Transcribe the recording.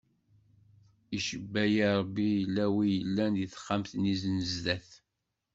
Icebba-yi Ṛebbi yella wi yellan di taxxamt-nni n zdat.